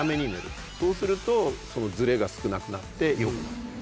そうするとズレが少なくなってよくなるんですね。